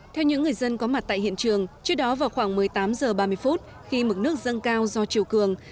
theo những người dân có mặt tại hiện trường trước đó vào khoảng một mươi tám h ba mươi khi mực nước dâng cao do chiều cường